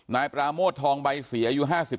นายปราโมตทองใบเสียอายุ๕๙